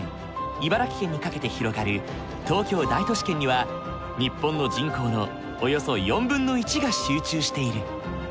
茨城県にかけて広がる東京大都市圏には日本の人口のおよそ４分の１が集中している。